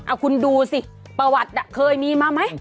เอาคุณดูสิประวัติเคยมีมาไหม